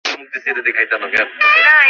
মধুসূদন আপন মনের এইটুকু চাঞ্চল্যে ভীত হল।